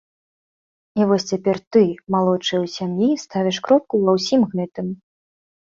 І вось цяпер ты, малодшая ў сям'і, ставіш кропку ва ўсім гэтым.